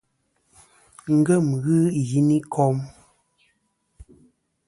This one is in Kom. Ngèm ghɨ i yiyn i kom.